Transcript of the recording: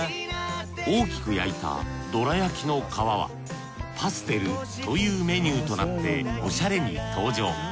大きく焼いたどら焼きの皮はパステルというメニューとなってオシャレに登場。